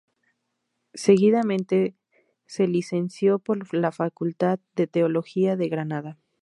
Seguidamente se licenció por la Facultad de Teología de Granada.